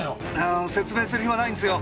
あ説明する暇ないんすよ。